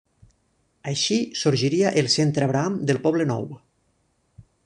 Així sorgiria el Centre Abraham del Poblenou.